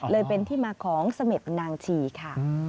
เลยเป็นที่มาของเสม็ดนางชีค่ะ